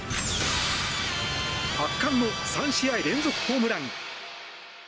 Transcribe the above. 圧巻の３試合連続ホームラン。